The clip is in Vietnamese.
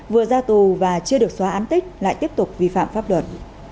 vừa ra tù và chưa được xóa án tích lại tiếp tục vi phạm pháp luật